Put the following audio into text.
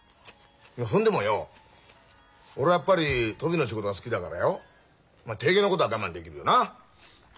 そんでもよ俺はやっぱりトビの仕事が好きだからよ大概のことは我慢できるよな。